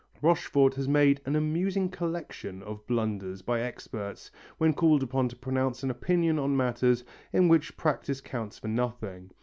Rochefort has made an amusing collection of blunders by experts when called upon to pronounce an opinion on matters in which practice counts for nothing.